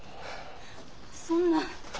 そんな。